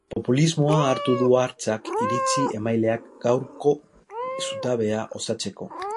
Populismoa hartu du ardatz iritzi-emaileak gaurko zutabea osatzeko.